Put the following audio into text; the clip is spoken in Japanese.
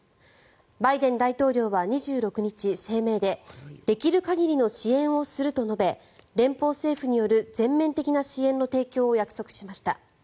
バイデン大統領は２６日声明でできる限りの支援をすると述べ連邦政府による全面的な支援の提供を約束しました。